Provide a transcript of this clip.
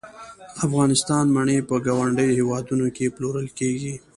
د افغانستان مڼې په ګاونډیو هیوادونو کې پلورل کیږي